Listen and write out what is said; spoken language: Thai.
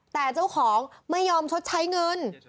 แต่เจ้าของไม่ยอมชดใช้เงิน